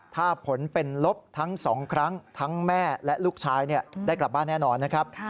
ถ้าผลเป็นลบทั้ง๒ครั้งทั้งแม่และลูกชายได้กลับบ้านแน่นอนนะครับ